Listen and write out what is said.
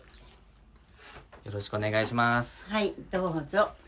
よろしくお願いします。